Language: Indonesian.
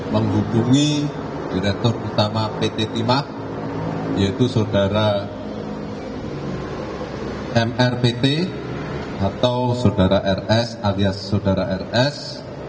menghubungi direktur utama pt timah yaitu saudara mrpt atau saudara rs alias saudara rs